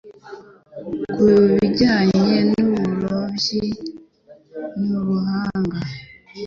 Ku bijyanye n'uburobyi, ni umuhanga.